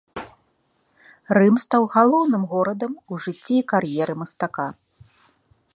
Рым стаў галоўным горадам у жыцці і кар'еры мастака.